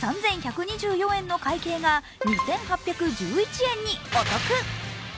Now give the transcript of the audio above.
３１２４円の会計が２８１１円に、お得！